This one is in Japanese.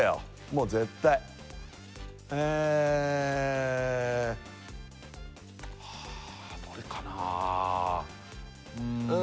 もう絶対えはあどれかなあ